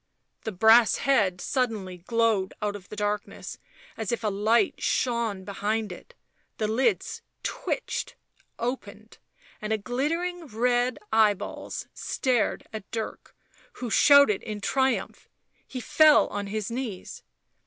The brass head suddenly glowed out of the darkness as if a light shone behind it ; the lids twitched, opened, and glittering red eyeballs stared at Dirk, who shouted in triumph. He fell on his knees.